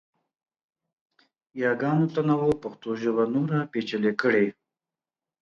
یاګانو تنوع پښتو ژبه نوره پیچلې کړې.